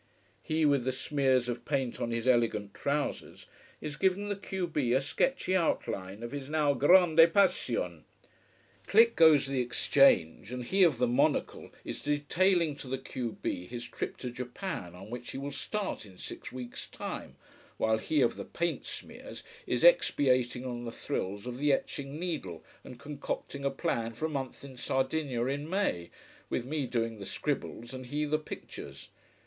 He with the smears of paint on his elegant trousers is giving the q b a sketchy outline of his now grande passion. Click goes the exchange, and him of the monocle is detailing to the q b his trip to Japan, on which he will start in six weeks' time, while him of the paint smears is expatiating on the thrills of the etching needle, and concocting a plan for a month in Sardinia in May, with me doing the scribbles and he the pictures.